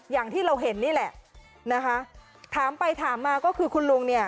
อย่างที่เราเห็นนี่แหละนะคะถามไปถามมาก็คือคุณลุงเนี่ย